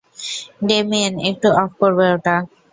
Damien, একটু off করবে ওটা?